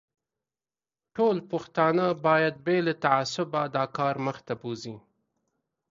ټوله پښتانه باید بې له تعصبه دا کار مخ ته بوزي.